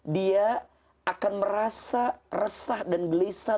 dia akan merasa resah dan gelisah